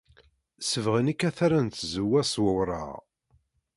Sebɣen ikataren n tzewwa s wewraɣ.